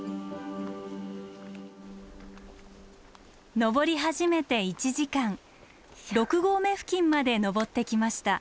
登り始めて１時間六合目付近まで登ってきました。